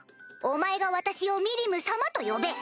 お前が私を「ミリム様」と呼べ！